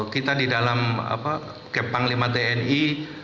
kita di dalam panglima tni